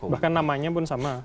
bahkan namanya pun sama